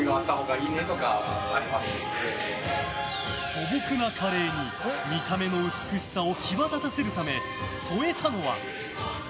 素朴なカレーに見た目の美しさを際立たせるため添えたのは。